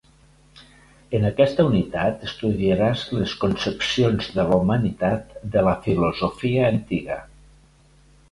En aquesta unitat estudiaràs les concepcions de la humanitat de la filosofia antiga.